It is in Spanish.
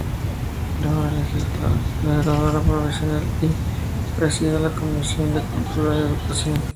Luego fue legisladora provincial y presidió la comisión de Cultura y Educación.